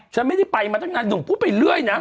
ฉันไม่ได้ไปมาตั้งนานหนุ่มพูดไปเรื่อยนะ